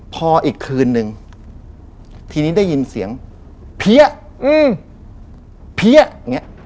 พออีกคืนนึงทีนี้ได้ยินเสียงเพี้ยเพี้ยอย่างเงี้ย